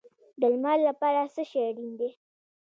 د لمر لپاره څه شی اړین دی؟